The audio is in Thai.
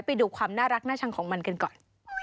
ไปดูความน่ารักน่าชังของมันกันก่อน